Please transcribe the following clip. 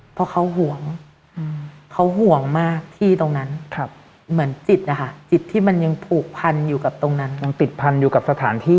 เพราะเขาห่วงเขาห่วงมากที่ตรงนั้นเหมือนจิตที่มันยังผูกพันอยู่กับตรงนั้น